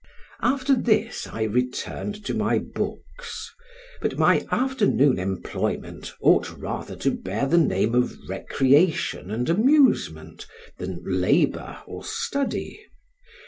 After this I returned to my books; but my afternoon employment ought rather to bear the name of recreation and amusement, than labor or study.